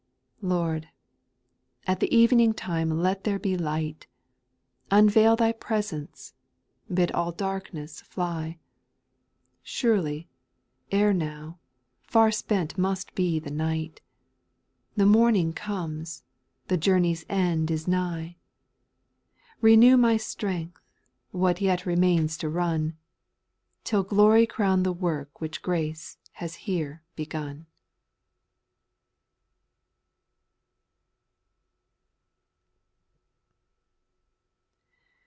4. Lord ! at the evening time let there be light ; Unveil Thy presence, bid all darkness fly ; Surely, ere now, far spent must be the night, The morning comes, the .journey's end is nigh ; Renew my strength, what yet remains to run. Till glory crown the work which grace has here begun.